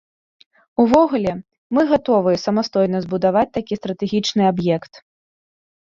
Увогуле, мы гатовыя самастойна збудаваць такі стратэгічны аб'ект.